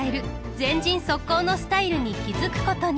前陣速攻のスタイルに気付くことに。